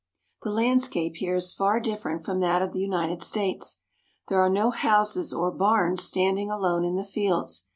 The landscape here is far different from that of the United States. There are no houses or barns standing alone in the fields.